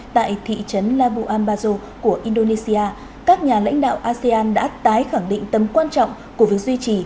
tại thị trấn labuan bajo của indonesia các nhà lãnh đạo asean đã tái khẳng định tầm quan trọng của việc duy trì